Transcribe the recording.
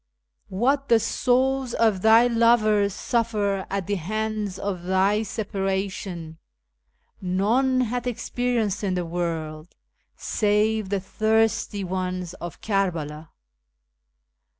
" Wliat tlie souls of thy lovers suffer at the hands of thy separation None hath experienced in the world, save the thirsty ones of Kerbela."